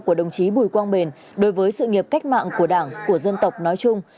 của đồng chí bùi quang bền đối với sự nghiệp cách mạng của đảng của dân tộc nói chung